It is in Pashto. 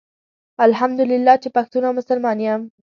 الحمدالله چي پښتون او مسلمان يم